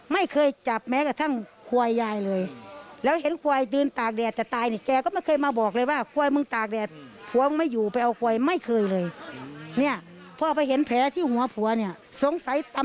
ไม่เคยจับแม้กระทั่ง